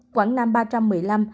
quảng nam một ba trăm một mươi năm ca